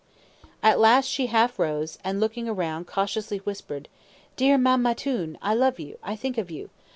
At last she half rose, and, looking around, cautiously whispered, "Dear Mam Mattoon! I love you. I think of you.